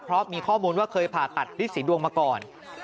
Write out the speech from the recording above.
เพราะมีข้อมูลว่าเคยผ่าตัดฤษีดวงมาก่อน